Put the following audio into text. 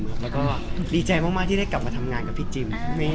และก็ดีใจที่กลับมาทำงานกับพี่จิม